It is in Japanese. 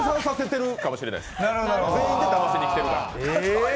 全員でだましにきてるから。